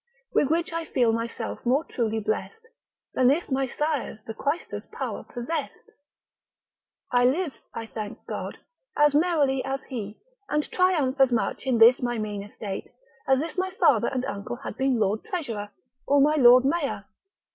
With which I feel myself more truly blest Than if my sires the quaestor's power possess'd. I live, I thank God, as merrily as he, and triumph as much in this my mean estate, as if my father and uncle had been lord treasurer, or my lord mayor.